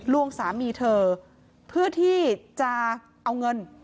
วงสามีเธอเพื่อที่จะเอาเงิน